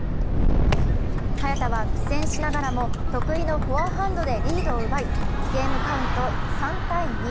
早田は苦戦しながらも得意のフォアハンドでリードを奪い、ゲームカウント３−２。